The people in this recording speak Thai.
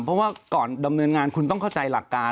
เพราะว่าก่อนดำเนินงานคุณต้องเข้าใจหลักการ